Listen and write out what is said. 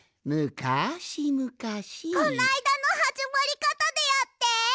こないだのはじまりかたでやって。